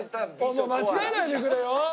間違えないでくれよ！